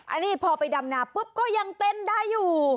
อันนี้พอไปดำนาปุ๊บก็ยังเต้นได้อยู่